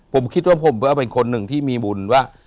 ผมคิดว่าผมก็เป็นคนหนึ่งที่มีบุญว่า